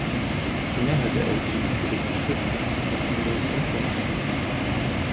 Die Mehrheit der Eltern willigte schriftlich zur kostenlosen Impfung ein.